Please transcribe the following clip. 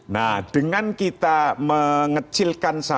nah dengan kita mengecilkan